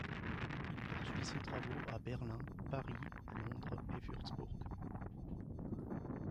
Il poursuit ses travaux à Berlin, Paris, Londres et Wurtzbourg.